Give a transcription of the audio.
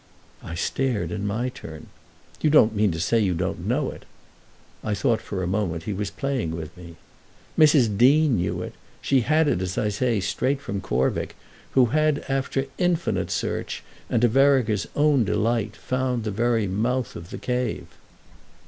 I stared in my turn. "You don't mean to say you don't know it?" I thought for a moment he was playing with me. "Mrs. Deane knew it; she had it, as I say, straight from Corvick, who had, after infinite search and to Vereker's own delight, found the very mouth of the cave.